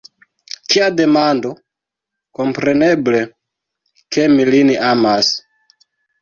Kia demando! kompreneble, ke mi lin amas.